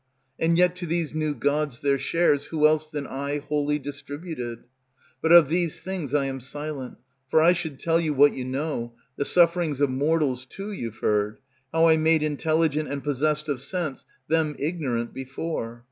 And yet to these new gods their shares Who else than I wholly distributed? But of these things I am silent; for I should tell you What you know; the sufferings of mortals too You've heard, how I made intelligent And possessed of sense them ignorant before.